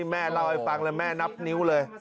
แม่เล่าให้ฟังแล้วแม่นับนิ้วเลย